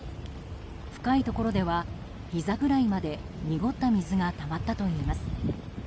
深いところでは、ひざぐらいまで濁った水がたまったといいます。